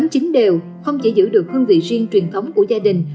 chính đều không chỉ giữ được hương vị riêng truyền thống của gia đình